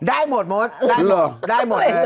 ได้หมดโม้ดได้หมด